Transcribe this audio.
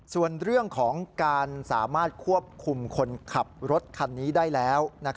ส่วนเรื่องของการสามารถควบคุมคนขับรถคันนี้ได้แล้ว